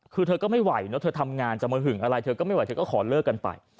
คือเธอก็ไม่ไหวเนอะเธอทำงานจะมาหึงอะไรเธอก็ไม่ไหวเธอก็ขอเลิกกันไป